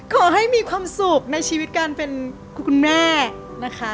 ขอให้มีความสุขในชีวิตการเป็นคุณแม่นะคะ